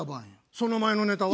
その前のネタは？